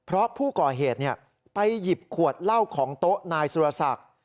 เพราะผู้ก่อเหตุไปหยิบขวดเหล้าของโต๊ะนายสุรศักดิ์